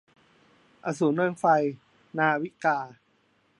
อสูรเริงไฟ - นาวิกา